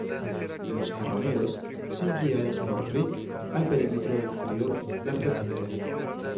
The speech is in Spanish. Los carroñeros son guiados por Rick al perímetro exterior del recinto.